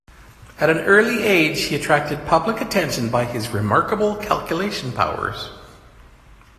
At an early age he attracted public attention by his remarkable calculation powers.